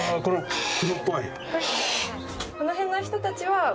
この辺の人たちは。